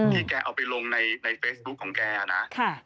แกเอาไปลงในเฟซบุ๊คของแกนะ